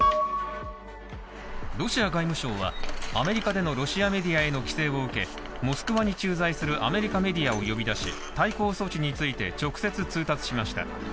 ロシア外務省はアメリカでのロシアメディアへの規制を受け、モスクワに駐在するアメリカメディアを呼び出し対抗措置について直接通達しました